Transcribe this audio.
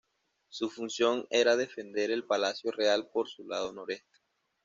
Su función era defender el Palacio Real por su lado noreste.